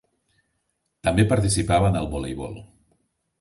També participava en el voleibol.